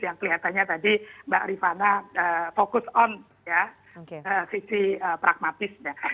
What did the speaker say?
yang kelihatannya tadi mbak rifana fokus on sisi pragmatisnya